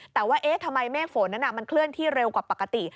แต่ว่าเอ๊ะทำไมเมฆฝนนั้นมันเคลื่อนที่เร็วกว่าปกติ